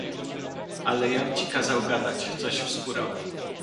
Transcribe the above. "Ale jam ci kazał gadać, coś wskórał."